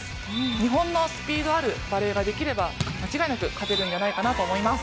日本のスピードあるバレーができれば、間違いなく勝てるんじゃないかと思います。